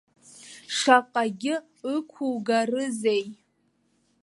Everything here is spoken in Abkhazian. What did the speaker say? Шаҟагьы ықәугарызеи.